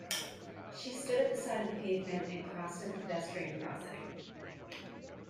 She stood at the side of the pavement, and crossed at the pedestrian crossing